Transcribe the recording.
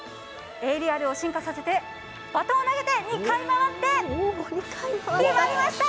エーリアルを進化させてバトンを投げて２回、回って決まりました。